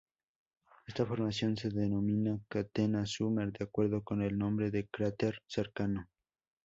Esta formación se denomina Catena Sumner de acuerdo con el nombre del cráter cercano.